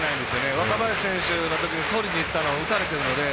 若林選手のときにとりにいったら打たれているので。